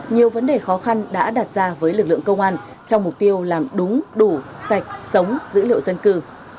nhiều vấn đề khó khăn đã đặt ra với lực lượng công an trong mục tiêu làm đúng đủ sạch sống dữ liệu dân cư